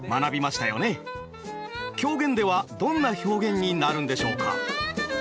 狂言ではどんな表現になるんでしょうか？